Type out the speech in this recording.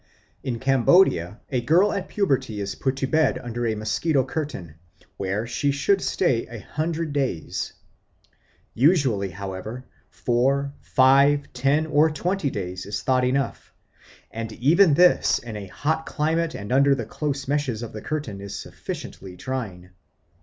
In Cambodia a girl at puberty is put to bed under a mosquito curtain, where she should stay a hundred days. Usually, however, four, five, ten, or twenty days are thought enough; and even this, in a hot climate and under the close meshes of the curtain, is sufficiently trying.